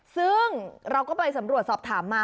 ซึ่งเราก็ไปสำรวจสอบถามมา